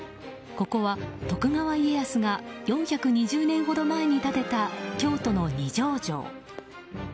ここは徳川家康が４２０年ほど前に建てた京都の二条城。